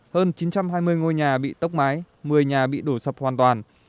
hơn chín trăm hai mươi ngôi nhà bị tốc mái một mươi nhà bị đổ sập hoàn toàn